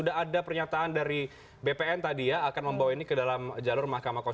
karena yang menjadi termohon itu adalah kpu